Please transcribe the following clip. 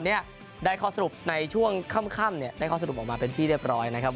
เนี่ยได้ข้อสรุปในช่วงค่ำเนี่ยได้ข้อสรุปออกมาเป็นที่เรียบร้อยนะครับ